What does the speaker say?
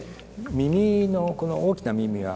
耳のこの大きな耳輪。